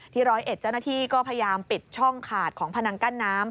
ร้อยเอ็ดเจ้าหน้าที่ก็พยายามปิดช่องขาดของพนังกั้นน้ำ